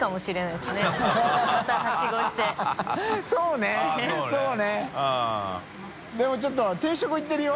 任ちょっと定食いってるよ。